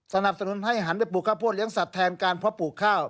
สนับสนุนให้หันไปปลูกข้าวโพดเลี้ยสัตวแทนการเพาะปลูกข้าว